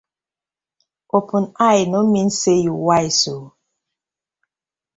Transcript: Open eye no mean say yu wise ooo.